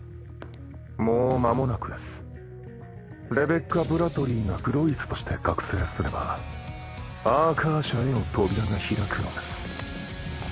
もうまもなくですレベッカ＝ブラッドリィがクロイツとして覚醒すればアーカーシャへの扉が開くのです